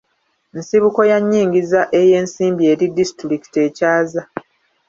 Nsibuko ya nnyingiza ey'ensimbi eri disitulikiti ekyaza.